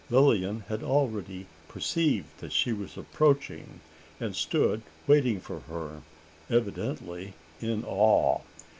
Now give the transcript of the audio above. Lilian had already perceived that she was approaching, and stood waiting for her evidently in awe!